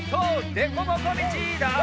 でこぼこみち！